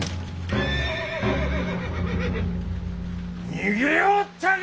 逃げおったか！